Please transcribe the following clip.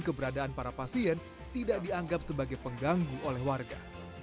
keberadaan para pasien tidak dianggap sebagai pengganggu oleh warga